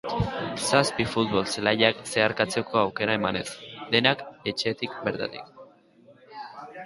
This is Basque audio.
Zazpi futbol-zelaiak zeharkatzeko aukera emanez, dena etxetik bertatik.